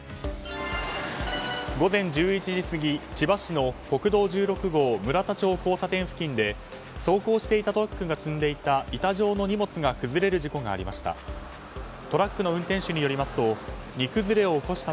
午前１１時過ぎ千葉市の国道１６号村田町交差点付近で走行していたトラックが積んでいた板状の荷物が崩れる事故がありました。